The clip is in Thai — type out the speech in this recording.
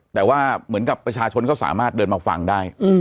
แต่ว่าเหมือนกับประชาชนก็สามารถเดินมาฟังได้